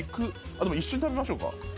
でも、一緒に食べましょうか。